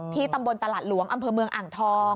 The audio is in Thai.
ตำบลตลาดหลวงอำเภอเมืองอ่างทอง